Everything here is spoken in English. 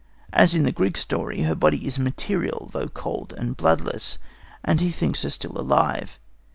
As in the Greek story, her body is material, though cold and bloodless, and he thinks her still alive.